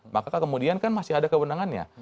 maka kemudian kan masih ada kewenangannya